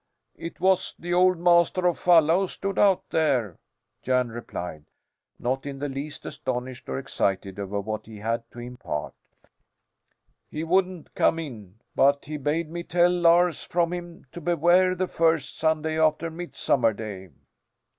"It was the old master of Falla who stood out there," Jan replied, not in the least astonished or excited over what he had to impart. "He wouldn't come in, but he bade me tell Lars from him to beware the first Sunday after Midsummer Day."